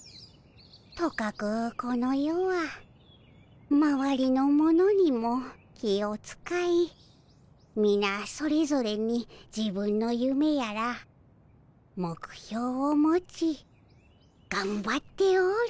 とかくこの世はまわりの者にも気をつかいみなそれぞれに自分のゆめやら目標を持ちがんばっておる。